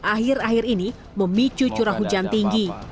akhir akhir ini memicu curah hujan tinggi